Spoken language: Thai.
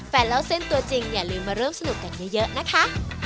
เล่าเส้นตัวจริงอย่าลืมมาร่วมสนุกกันเยอะนะคะ